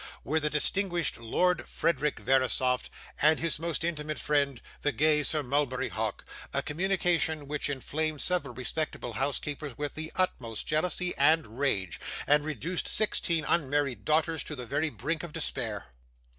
were the distinguished Lord Frederick Verisopht and his most intimate friend, the gay Sir Mulberry Hawk a communication which inflamed several respectable house keepers with the utmost jealousy and rage, and reduced sixteen unmarried daughters to the very brink of despair.